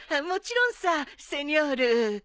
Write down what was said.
もちろんさセニョール。